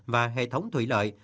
và hệ thống thủy lợi